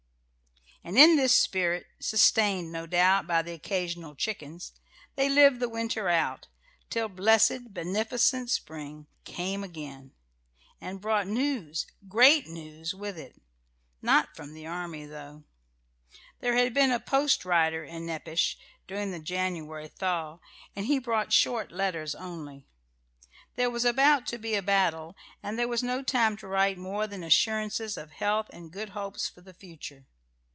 And in this spirit, sustained, no doubt, by the occasional chickens, they lived the winter out, till blessed, beneficent spring came again, and brought news, great news, with it. Not from the army, though. There had been a post rider in Nepash during the January thaw, and he brought short letters only. There was about to be a battle, and there was no time to write more than assurances of health and good hopes for the future.